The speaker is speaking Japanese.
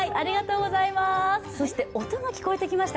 音が聞こえてきました、